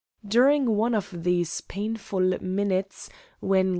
During one of these painful minutes, when K.